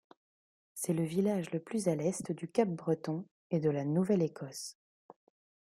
C'est le village le plus à l'est du Cap-Breton et de la Nouvelle-Écosse.